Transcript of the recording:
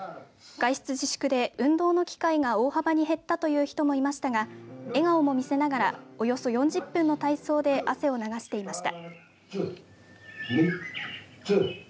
外出自粛で運動の機会が大幅に減ったという人もいましたが笑顔も見せながらおよそ４０分の体操で汗を流していました。